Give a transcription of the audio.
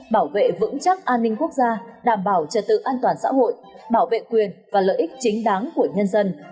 bảo vệ vững chắc an ninh quốc gia đảm bảo trật tự an toàn xã hội bảo vệ quyền và lợi ích chính đáng của nhân dân